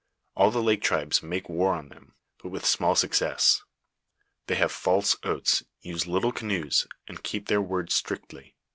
All the lake tribes make war on them, but with small success ; they have false oats, use little canoes, and keep their word strictly.